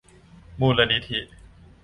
มูลนิธิ